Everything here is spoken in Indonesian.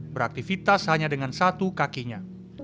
beraktivitas hanya dengan satu kakinya